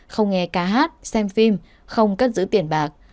không nghe ca hát xem phim không cất giữ tiền bạc